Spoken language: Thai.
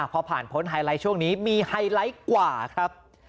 พอผ่านพ้นไฮไลท์ช่วงนี้มีไฮไลท์กว่าครับ